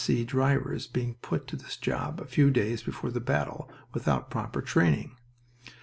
S.C. drivers being put to this job a few days before the battle, without proper training.